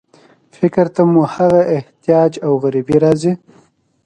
فکر ته مو هغه احتیاج او غریبي راځي.